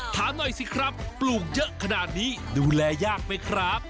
ถามหน่อยสิครับปลูกเยอะขนาดนี้ดูแลยากไหมครับ